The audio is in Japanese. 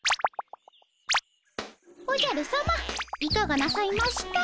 おじゃるさまいかがなさいました？